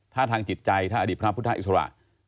ถ้าทางจิตใจถ้าอดีตพระธรรมพุทธศาสตร์อิสระ